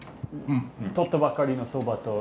とったばっかりのそばと。